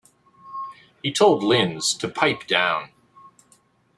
He told Linz to pipe down.